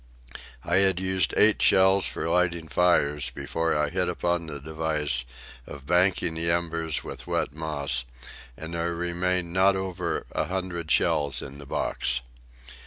I had used eight shells for lighting fires before I hit upon the device of banking the embers with wet moss, and there remained not over a hundred shells in the box.